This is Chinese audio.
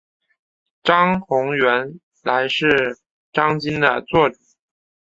张宏原来是张鲸的座主。